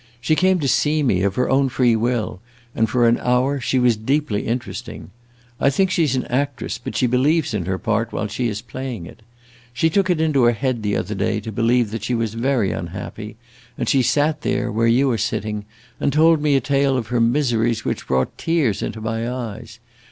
She came to see me, of her own free will, and for an hour she was deeply interesting. I think she 's an actress, but she believes in her part while she is playing it. She took it into her head the other day to believe that she was very unhappy, and she sat there, where you are sitting, and told me a tale of her miseries which brought tears into my eyes.